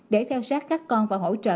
để theo sát các con và hỗ trợ